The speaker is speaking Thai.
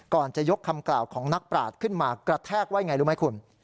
ก่อนจะยกคำกล่าวของนักปราศขึ้นมากระแทกไว้ไงรู้ไหมคุณ